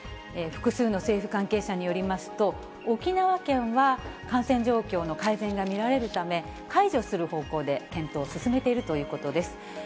複数の政府関係者によりますと、沖縄県は感染状況の改善が見られるため、解除する方向で検討を進めているということです。